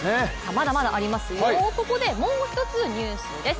まだまだありますよ、ここでもう一つニュースです。